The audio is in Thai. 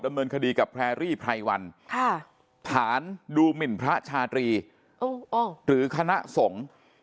ดำเนินคดีกับแพรรี่ไพรวัลค่ะผ่านดูหมิ่นพระชาตรีอ้ออ้อหรือคณะส่ง